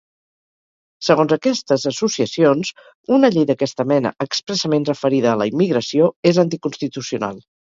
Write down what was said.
Segons aquestes associacions, una llei d'aquesta mena, expressament referida a la immigració, és anticonstitucional.